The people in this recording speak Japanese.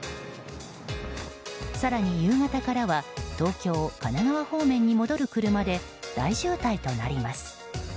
更に、夕方からは東京、神奈川方面に戻る車で大渋滞となります。